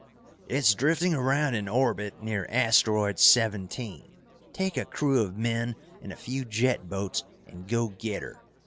"It's drifting around in orbit near asteroid seventeen. Take a crew of men and a few jet boats and go get her.